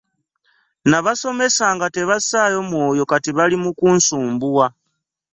Nabasomesa nga tebassayo mwoyo kati bali mu kunsumbuwa .